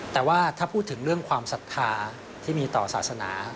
แต่ว่าถ้าพูดถึงเรื่องความศรัทธาที่มีต่อศาสนา